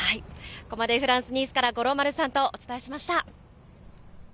ここまで、フランス・ニースから、五郎丸さんとお伝えしまし